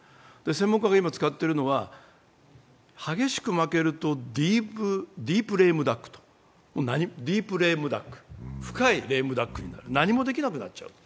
専門家が今使っているのは、激しく負けるとディープ・レームダック、深いレームダックになる、何もできなくなっちゃう。